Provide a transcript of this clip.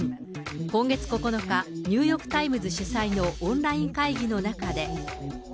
今月９日、ニューヨーク・タイムズ主催のオンライン会議の中で。